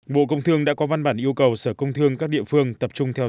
bộ công thương đã có văn bản yêu cầu sở công thương các địa phương tập trung thịt lợn